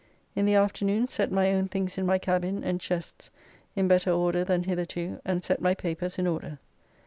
In the afternoon set my own things in my cabin and chests in better order than hitherto, and set my papers in order.